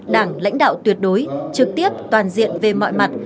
đảng lãnh đạo tuyệt đối trực tiếp toàn diện về mọi mặt